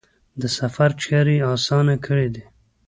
د سفر چارې یې اسانه کړي دي.